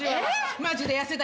マジで痩せたいわ」